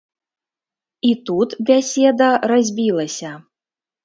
І тут бяседа разбілася.